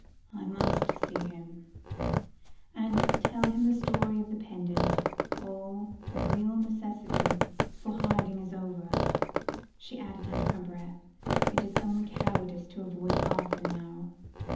"I must see him, and tell him all the story of the pendant all the real necessity for hiding is over," she added under her breath; "it is only cowardice to avoid Arthur now."